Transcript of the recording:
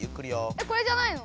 えこれじゃないの？